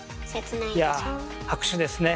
いやぁ拍手ですね。